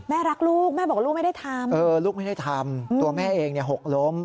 รักลูกแม่บอกลูกไม่ได้ทำลูกไม่ได้ทำตัวแม่เองเนี่ยหกล้ม